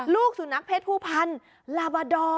ลูกสุนัขเพศผู้พันธุ์ลาบาดอร์